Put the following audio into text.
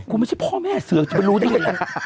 กูไม่ใช่พ่อแม่เสือมันรู้ได้เลย